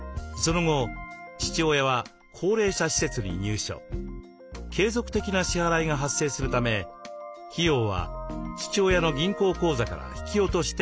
その後継続的な支払いが発生するため費用は父親の銀行口座から引き落としていました。